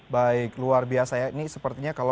baik luar biasa ya